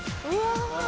うわ！